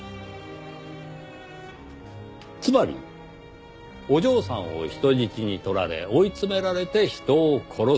つまりお嬢さんを人質に取られ追い詰められて人を殺す。